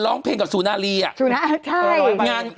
ร้องเพลงกับซุนารีอย่างเงิน